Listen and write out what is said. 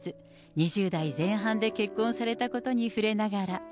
２０代前半で結婚されたことに触れながら。